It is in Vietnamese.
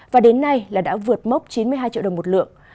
và đến nay là đã vượt mốc chín mươi hai triệu đồng một lượng